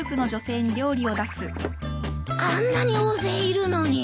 あんなに大勢いるのに。